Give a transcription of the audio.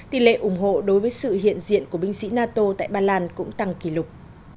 tỷ lệ ủng hộ đối với sự hiện diện của binh sĩ nato tại ba lan cũng tăng kỷ lục